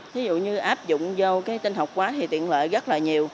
ví dụ như áp dụng vô tinh học quá thì tiện lợi rất là nhiều